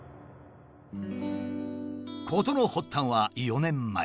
事の発端は４年前。